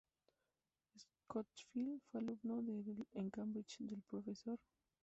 Schofield fue alumno en Cambridge del Prof.